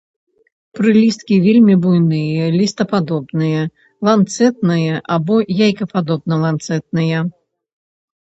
Прылісткі вельмі буйныя, лістападобныя, ланцэтныя або яйкападобна-ланцэтныя.